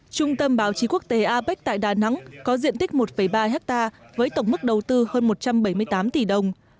trung tâm báo chí quốc tế apec tại đà nẵng có diện tích một ba hectare với tổng mức đầu tư hơn một trăm bảy mươi tám tỷ đồng